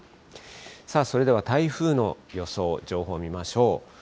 さあ、それでは台風の予想、情報見ましょう。